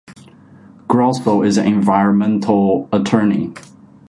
Grosso is an environmental attorney.